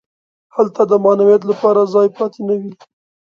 هلته د معنویت لپاره ځای پاتې نه وي.